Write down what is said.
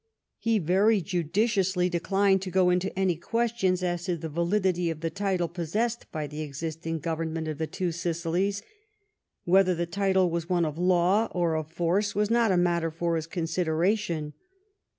He very judiciously declined to go into any question as to the validity of the title possessed by the existing Government of the Two Sicilies. Whether the title was one of law or of force was not a matter for his consideration.